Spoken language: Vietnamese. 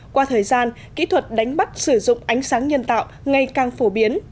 qua thời gian kỹ thuật đánh bắt sử dụng ánh sáng nhân tạo ngày càng phổ biến